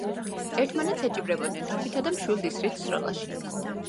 ერთმანეთს ეჯიბრებოდნენ თოფითა და მშვილდ-ისრით სროლაში.